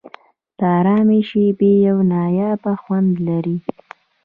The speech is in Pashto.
د آرامۍ شېبې یو نایابه خوند لري.